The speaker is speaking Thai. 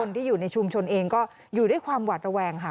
ที่อยู่ในชุมชนเองก็อยู่ด้วยความหวัดระแวงค่ะ